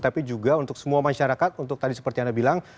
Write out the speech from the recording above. tapi juga untuk semua masyarakat untuk tadi seperti anda bilang